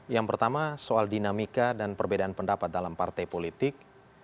yang pertama soal dinamika dan perbedaan pendapat dalam partai politik